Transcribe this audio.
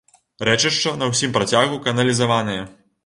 Рэчышча на ўсім працягу каналізаванае.